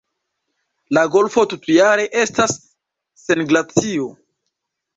La golfo tutjare estas sen glacio.